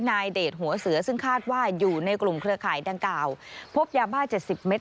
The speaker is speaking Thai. เดชหัวเสือซึ่งคาดว่าอยู่ในกลุ่มเครือข่ายดังกล่าวพบยาบ้า๗๐เมตร